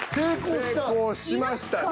成功しましたね。